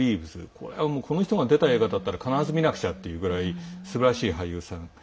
これはこの人が出た映画だったら必ず見なく茶というくらいすばらしい俳優さん。